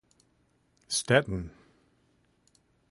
Stettin.